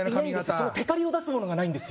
そのテカリを出すものがないんですよ